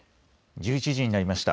１１時になりました。